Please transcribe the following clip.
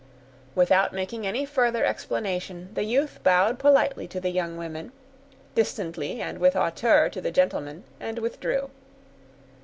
Without making any further explanation, the youth bowed politely to the young women, distantly and with hauteur to the gentleman, and withdrew.